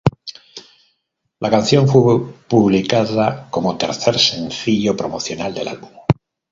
La canción fue publicada como tercer sencillo promocional del álbum.